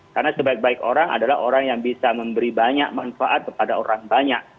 karena sebaik baik orang adalah orang yang bisa memberi banyak manfaat kepada orang banyak